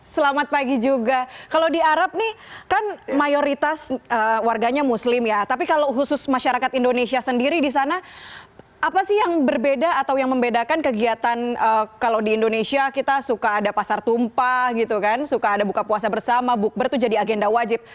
selamat pagi juga kalau di arab nih kan mayoritas warganya muslim ya tapi kalau khusus masyarakat indonesia sendiri di sana apa sih yang berbeda atau yang membedakan kegiatan kalau di indonesia kita suka ada pasar tumpah gitu kan suka ada buka puasa bersama bukber itu jadi agenda wajib